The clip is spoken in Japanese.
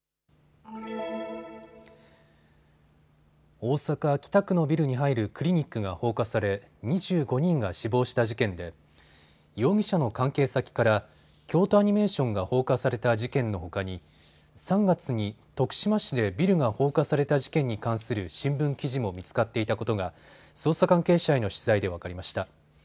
大阪北区のビルに入るクリニックが放火され２５人が死亡した事件で容疑者の関係先から京都アニメーションが放火された事件のほかに３月に徳島市でビルが放火された事件に関する新聞記事も見つかっていたことが捜査関係者への取材で分かりました。